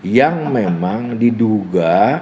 yang memang diduga